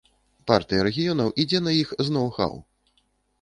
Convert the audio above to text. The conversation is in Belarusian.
Партыя рэгіёнаў ідзе на іх з ноў-хаў.